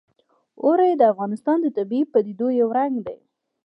اوړي د افغانستان د طبیعي پدیدو یو رنګ دی.